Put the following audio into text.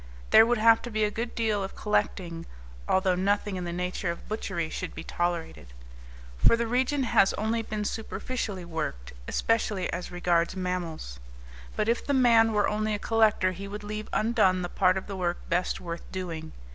There would have to be a good deal of collecting (although nothing in the nature of butchery should be tolerated), for the region has only been superficially worked, especially as regards mammals. But if the man were only a collector he would leave undone the part of the work best worth doing.